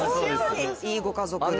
いいご家族で。